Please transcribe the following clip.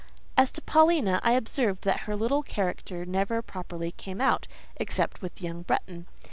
As to Paulina, I observed that her little character never properly came out, except with young Bretton.